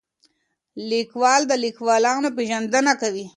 لیکوال د لیکوالانو پېژندنه کوي.